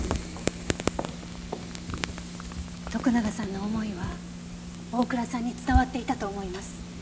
徳永さんの思いは大倉さんに伝わっていたと思います。